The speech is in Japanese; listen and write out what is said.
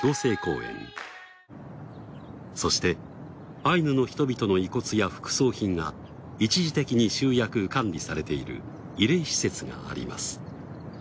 そしてアイヌの人々の遺骨や副葬品が一時的に集約管理されている慰霊施設があります。